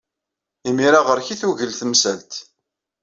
Imir-a, ɣer-k ay tugel temsalt.